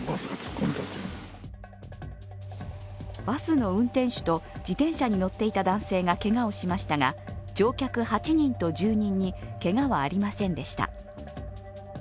バスの運転手と自転車に乗っていた男性がけがをしましたが、乗客８人と住人にけがはありませんでした。